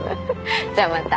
じゃあまた。